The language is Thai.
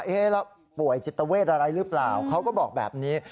เราป่วยจิตเวทอะไรหรือเปล่าเขาก็บอกแบบนี้